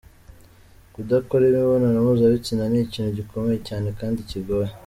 Kudakora imibonano mpuzabitsina ni ikintu gikomeye cyane kandi kigoye.